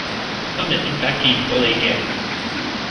今日點解見唔到你嘅